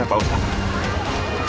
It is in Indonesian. benar pak ustadz